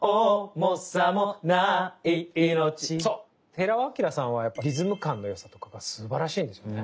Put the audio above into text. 寺尾聰さんはリズム感の良さとかがすばらしいんですよね。